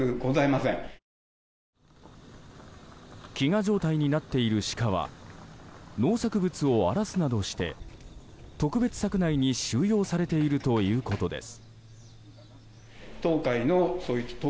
飢餓状態になっているシカは農作物を荒らすなどして特別柵内に収容されているということです。